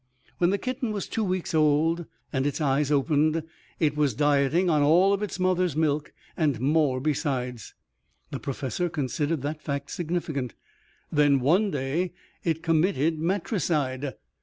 When the kitten was two weeks old and its eyes opened, it was dieting on all its mother's milk and more besides. The professor considered that fact significant. Then one day it committed matricide.